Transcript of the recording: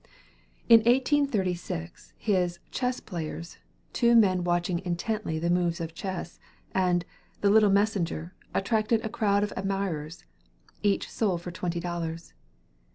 In 1836, his "Chess Players," two men watching intently the moves of chess, and "The Little Messenger," attracted a crowd of admirers. Each sold for twenty dollars.